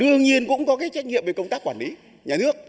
đương nhiên cũng có cái trách nhiệm về công tác quản lý nhà nước